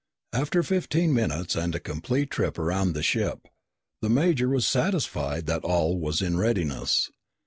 After fifteen minutes and a complete trip around the ship, the major was satisfied that all was in readiness.